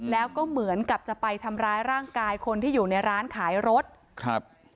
แล้วก็เหมือนกับจะไปทำร้ายร่างกายคนที่อยู่ในร้านขายรถครับ